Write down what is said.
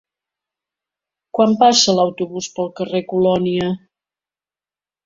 Quan passa l'autobús pel carrer Colònia?